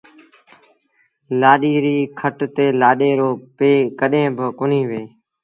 لآڏي ريٚ کٽ تي لآڏي رو پي ڪڏهين با ڪونهيٚ ويه